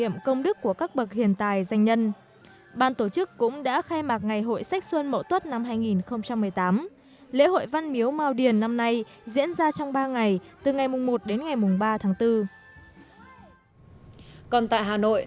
phòng đọc của thư viện được trang bị hoàn toàn